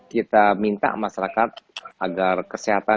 kita minta masyarakat agar kesehatan